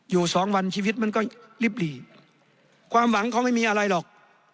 อยู่สองวันชีวิตมันก็ลิบหลีความหวังเขาไม่มีอะไรหรอก